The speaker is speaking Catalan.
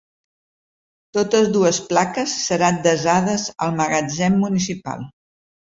Totes dues plaques seran desades al magatzem municipal.